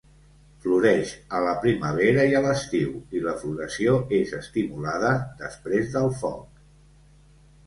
Floreix a la primavera i a l'estiu, i la floració és estimulada després del foc.